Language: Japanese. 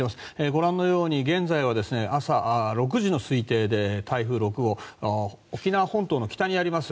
ご覧のように現在は、朝６時の推定で台風６号沖縄本島の北にあります